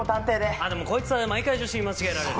あっでもこいつは毎回助手に間違えられる。